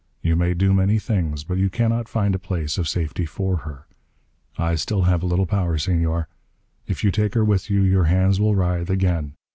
You may do many things. But you cannot find a place of safety for her. I still have a little power, Senor. If you take her with you, your hands will writhe again.